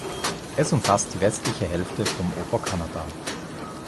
Es umfasst die westliche Hälfte vom Oberkanada.